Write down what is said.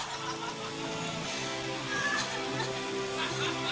tolong boleh kita di luar semua kak